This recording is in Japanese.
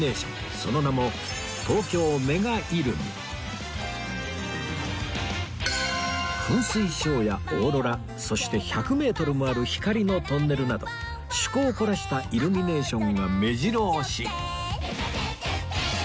その名も噴水ショーやオーロラそして１００メートルもある光のトンネルなど趣向を凝らしたイルミネーションがめじろ押し！